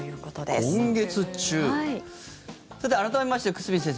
さて改めまして久住先生